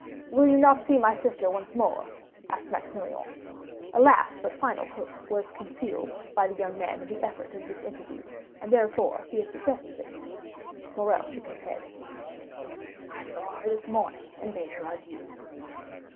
"Will you not see my sister once more?" asked Maximilian. A last but final hope was concealed by the young man in the effect of this interview, and therefore he had suggested it. Morrel shook his head. "I saw her this morning, and bade her adieu."